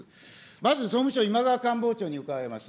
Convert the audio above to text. まず総務省、官房長に伺います。